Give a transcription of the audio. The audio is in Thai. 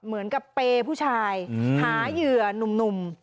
เหมือนกับเปย์ผู้ชายหาเหยื่อหนุ่ม